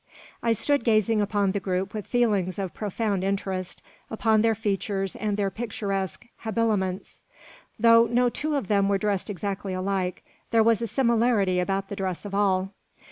I stood gazing upon the group with feelings of profound interest, upon their features and their picturesque habiliments. Though no two of them were dressed exactly alike, there was a similarity about the dress of all.